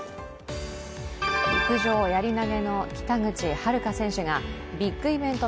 陸上・やり投げの北口榛花選手がビッグイベント